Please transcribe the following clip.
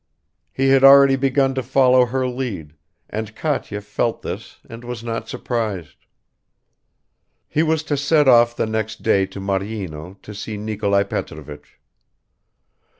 He had already begun to follow her lead, and Katya felt this and was not surprised. He was to set off the next day to Maryino to see Nikolai Petrovich.